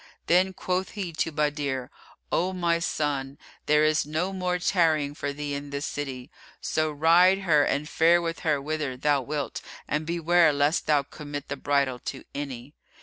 Then quoth he to Badr, "O my son, there is no more tarrying for thee in this city; so ride her and fare with her whither thou wilt and beware lest thou commit the bridle[FN#345] to any."